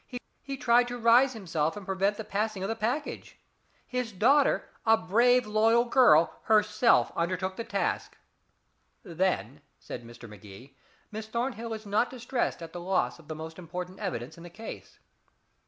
He tried to rise himself and prevent the passing of the package. His daughter a brave loyal girl herself undertook the task." "Then," said Mr. Magee, "Miss Thornhill is not distressed at the loss of the most important evidence in the case."